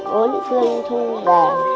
bốn phương thu về